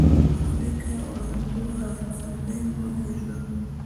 afurika, uraduhakirwe mu ijuru